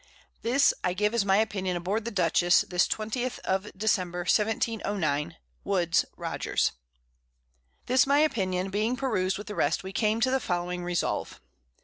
This I give as my Opinion aboard the_ Dutchess, this 20th of December, 1709. Woodes Rogers. This my Opinion being perused with the rest, we came to the following Resolve.